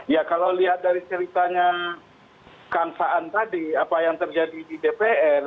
ya kalau lihat dari ceritanya kang saan tadi apa yang terjadi di dpr